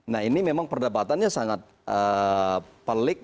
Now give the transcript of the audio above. nah ini memang perdebatannya sangat pelik